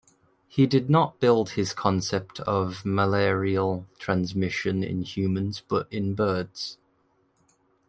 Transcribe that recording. He did not build his concept of malarial transmission in humans, but in birds.